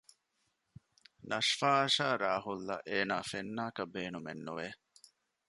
ނަޝްފާ އަށާ ރާހުލްއަށް އޭނާ ފެންނާކަށް ބޭނުމެއް ނުވެ